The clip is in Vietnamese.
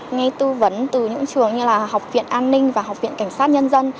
ngay tư vấn từ những trường như là học viện an ninh và học viện cảnh sát nhân dân